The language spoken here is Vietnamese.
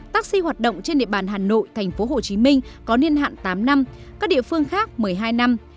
taxi hoạt động trên địa bàn hà nội tp hcm có niên hạn tám năm các địa phương khác một mươi hai năm